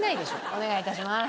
お願い致します。